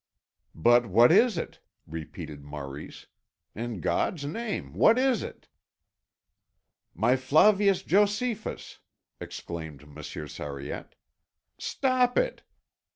"But what is it?" repeated Maurice "in God's name, what is it?" "My Flavius Josephus," exclaimed Monsieur Sariette. "Stop it!"